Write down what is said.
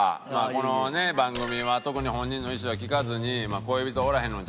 このね番組は特に本人の意思は聞かずに「恋人おらへんのちゃうか？」